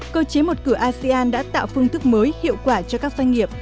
cơ chế một cửa asean đã tạo phương thức mới hiệu quả cho các doanh nghiệp